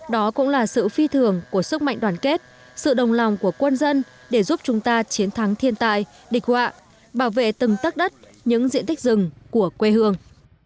đó cũng là sự phi thường của sức mạnh đoàn kết sự đồng lòng của quân dân để giúp chúng ta chiến thắng thiên tài địch họa bảo vệ từng tất đất những diện tích rừng của quê hương